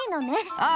ああ。